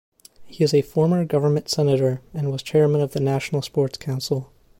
He is a former Government Senator and was Chairman of the National Sports Council.